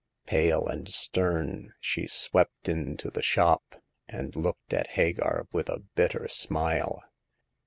Pale and stern, she swept into the shop, and looked at Hagar with a bitter smile.